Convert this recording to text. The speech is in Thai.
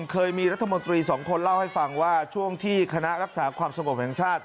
เคยมีรัฐมนตรีสองคนเล่าให้ฟังว่าช่วงที่คณะรักษาความสงบแห่งชาติ